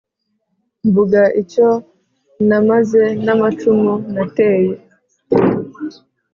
Mvuga icyo namaze n’amacumu nateye